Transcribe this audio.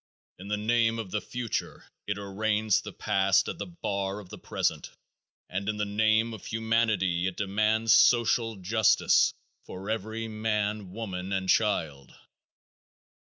In the name of the future it arraigns the past at the bar of the present, and in the name of humanity it demands social justice for every man, woman and child.